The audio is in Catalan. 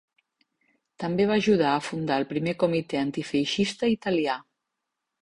També va ajudar a fundar el primer comitè antifeixista italià.